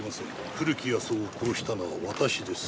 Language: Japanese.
古木保男を殺したのは私です」